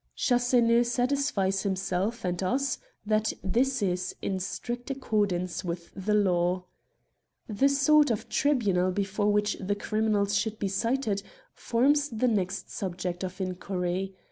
Chasseneux satisfies himself and us that this is in strict accordance with law. The sort of tribunal before which the criminals should be cited forms the next subject of inquiry.